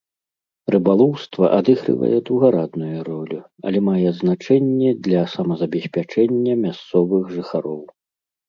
Рыбалоўства адыгрывае другарадную ролю, але мае значэнне для самазабеспячэння мясцовых жыхароў.